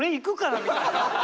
みたいな。